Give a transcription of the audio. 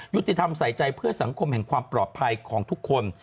ยุติธรรมใส่ใจเพื่อสังคมแห่งความปลอดภัยของทุกคน